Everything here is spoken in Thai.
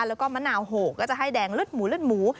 แล้วก็มะนาวโหกก็จะให้แดงเลือดหมูเลือดหมู